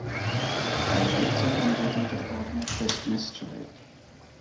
I was intent on getting to the bottom of this mystery.